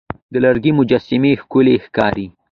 د لرګي مجسمې ښکلي ښکاري.